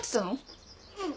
うん。